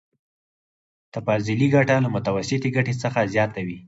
تفضيلي ګټه له متوسطې ګټې څخه زیاته وي